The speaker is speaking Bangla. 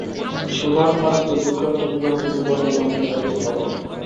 সে উদাহরণ না দেখিয়ে দুটো-একটা বিবাহযোগ্য বরের উদাহরণ দেখালেই তো ভালো হত।